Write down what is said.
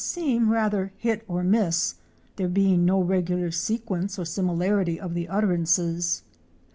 335 seem rather hit or miss, there being no regular sequence or similarity of the utterances.